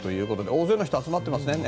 大勢の人が集まってますね。